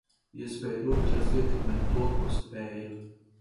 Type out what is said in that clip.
Iespēju robežās ietekmēt to, ko spēju.